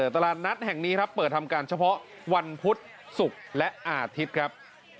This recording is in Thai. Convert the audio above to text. ตลาดนัดแห่งนี้ครับเปิดทำการเฉพาะวันพุธศุกร์และอาทิตย์ครับ